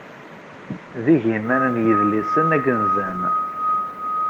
D igiman n yidlisen ay yenzan.